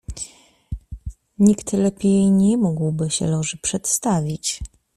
"Nikt lepiej nie mógłby się Loży przedstawić."